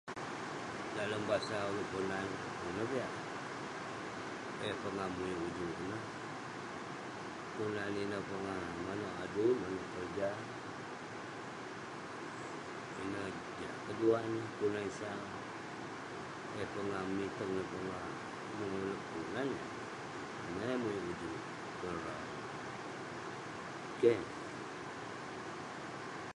Dalem basa uleuk ponan, ineh piak eh pongah muwik ujuk ineh, kelunan ineh pongah maneuk adui maneuk keroja. Ineh jah, keduah neh kelunan eh sau eh pongah memiteng eh pongah [unintelligible] kelunan. Ineh eh muwik ujuk ku na rah. Keh ne.